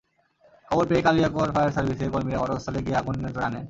খবর পেয়ে কালিয়াকৈর ফায়ার সার্ভিসের কর্মীরা ঘটনাস্থলে গিয়ে আগুন নিয়ন্ত্রণে আনেন।